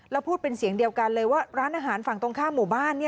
แล้วพูดเป็นเสียงเดียวกันเลยว่าร้านอาหารฝั่งตรงข้ามหมู่บ้าน